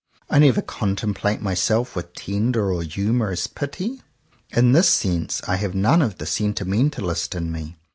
I never contemplate myself with tender or humorous pity. In this sense I have none ofthe sentimentalist in me.